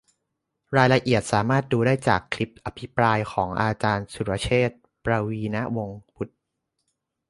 รายละเอียดสามารถดูได้จากคลิปอภิปรายของอาจารย์สุรเชษฐ์ ประวีณวงศ์วุฒิ